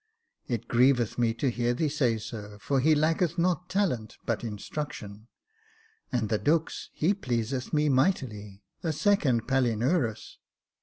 " It grieveth me to hear thee say so, for he lacketh not talent, but instruction ; and the Dux, he pleaseth me mightily — a second Palinurus.